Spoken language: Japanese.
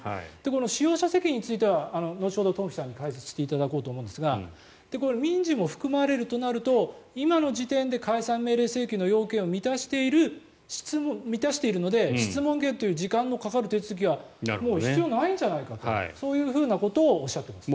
使用者責任については後ほどトンフィさんに解説していただこうと思うんですが民事も含まれるとなると今の時点で解散命令請求の要件を満たしているので質問権という時間のかかる手続きはもう必要ないんじゃないかとそういうことをおっしゃっています。